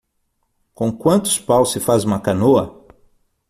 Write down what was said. Com quantos paus se faz uma canoa?